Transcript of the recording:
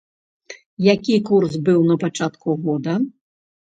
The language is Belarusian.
Які курс быў на пачатку года?